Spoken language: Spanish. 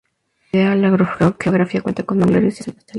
Variada en la geografía, cuenta con manglares y salinas.